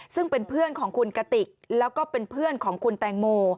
ซึ่งเป็นเพื่อนของคุณกติกแล้วก็เป็นเพื่อนของคุณแตงโม